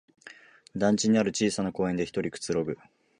団地にある小さな公園でひとりくつろぐ